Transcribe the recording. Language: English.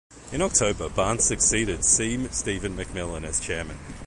In October, Barnes succeeded C. Steven McMillan as chairman.